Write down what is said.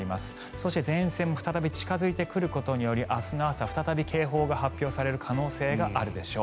そして前線再び近付いてくることで明日の朝再び警報が発表される可能性があるでしょう。